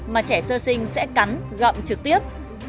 mà trẻ sơ sinh sẽ cắn gặm trực tiếp